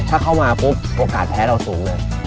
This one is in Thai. ถ้าเข้ามาปุ๊บโอกาสแพ้เราสูงเลย